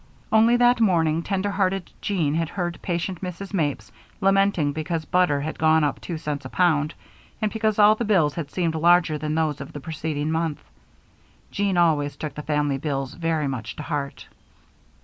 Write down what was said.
Only that morning tender hearted Jean had heard patient Mrs. Mapes lamenting because butter had gone up two cents a pound and because all the bills had seemed larger than those of the preceding month Jean always took the family bills very much to heart.